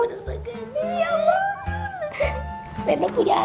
mudah banget ya